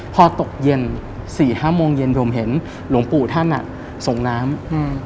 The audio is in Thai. พอตกเย็น๔๕โมงเย็นผมเห็นหลวงปู่ท่านส่งน้ำ